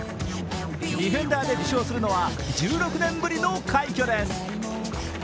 ディフェンダーで受賞するのは１６年ぶりの快挙です。